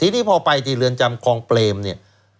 ทีนี้พอไปที่เรือนจำคลองเปรมเนี่ย